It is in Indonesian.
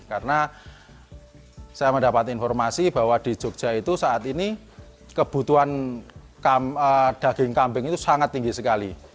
karena saya mendapat informasi bahwa di jogja itu saat ini kebutuhan daging kamping itu sangat tinggi sekali